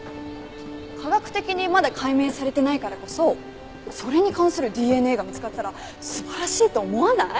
科学的にまだ解明されてないからこそそれに関するＤＮＡが見つかったら素晴らしいと思わない？